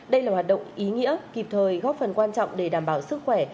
đây là hoạt động ý nghĩa kịp thời góp phần quan trọng để đảm bảo sức khỏe